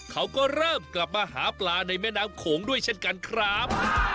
เขาก็เริ่มกลับมาหาปลาในแม่น้ำโขงด้วยเช่นกันครับ